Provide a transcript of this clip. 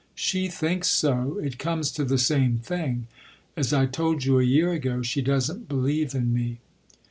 "She thinks so it comes to the same thing. As I told you a year ago, she doesn't believe in me."